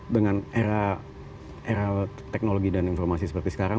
dengan era teknologi dan informasi seperti sekarang